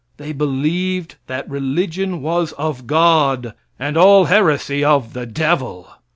They believed that religion was of God, and all heresy of the devil.